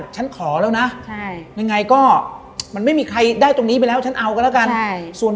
ฉันขอแล้วนะยังไงก็มันไม่มีใครได้ตรงนี้ไปแล้วฉันเอากันแล้วกัน